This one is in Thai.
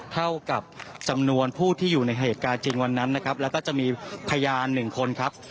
เท่ากับจำนวนผู้ที่อยู่ในเหตุการณ์จริงวันนั้นนะครับแล้วก็จะมีพยานหนึ่งคนครับ